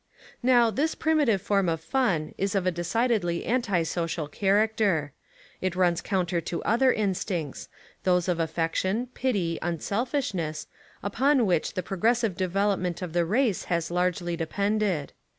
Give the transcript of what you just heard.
Now, this primitive form of fun Is of a de cidedly anti social character. It runs counter to other instincts, those of affection, pity, un selfishness, upon which the progressive develop ment of the race has largely depended.